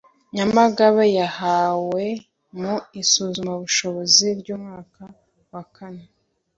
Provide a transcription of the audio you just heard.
nyamagabe yahawe mu isuzumabushobozi ry umwaka wakane